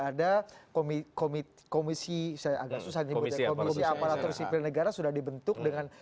pak erham kalau kita lihat ini kan peraturan sudah ada komisi aparatur sipil negara sudah dibentuk